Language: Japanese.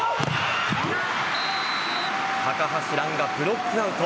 高橋藍がブロックアウト。